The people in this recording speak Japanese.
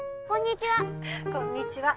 こんにちは。